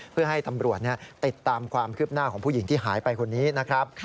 เพื่อให้ตำรวจติดตามความคืบหน้าของผู้หญิงที่หายไปคนนี้นะครับ